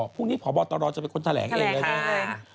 พรุ่งนี้ผอตรจะเป็นคนแถลงเองเลย